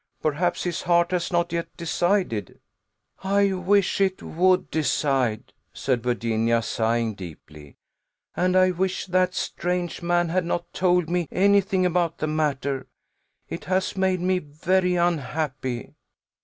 Perhaps his heart has not yet decided." "I wish it would decide," said Virginia, sighing deeply; "and I wish that strange man had not told me any thing about the matter; it has made me very unhappy."